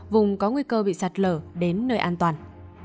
vùng có nguy cơ bị sạt lở đến nơi an toàn